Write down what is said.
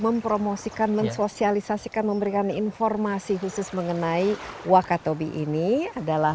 mempromosikan mensosialisasikan memberikan informasi khusus mengenai wakatobi ini adalah